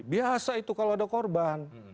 biasa itu kalau ada korban